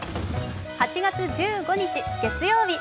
８月１５日月曜日。